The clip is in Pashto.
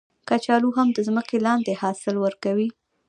کچالو هم د ځمکې لاندې حاصل ورکوي